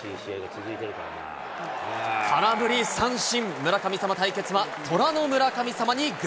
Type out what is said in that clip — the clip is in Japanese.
空振り三振。